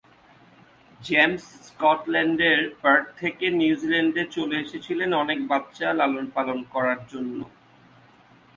James স্কটল্যান্ডের Perth থেকে নিউজিল্যান্ডে চলে এসেছিলেন অনেক বাচ্চা লালন -পালন করার জন্য।